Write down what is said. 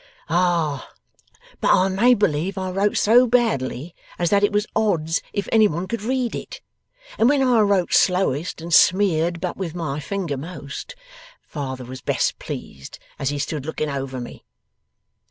'Ah! But I made believe I wrote so badly, as that it was odds if any one could read it. And when I wrote slowest and smeared but with my finger most, father was best pleased, as he stood looking over me.